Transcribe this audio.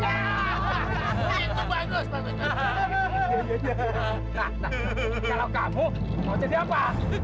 kalau kamu mau jadi apa